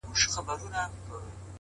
• باد صبا د خدای لپاره,